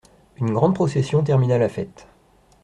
Une grande procession termina la fête.